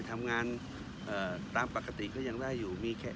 ทำงานตามปกติก็ยังได้อยู่มีแค่